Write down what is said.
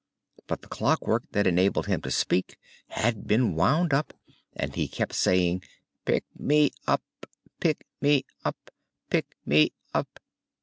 But the clockwork that enabled him to speak had been wound up and he kept saying: "Pick me up! Pick me up! Pick me up!"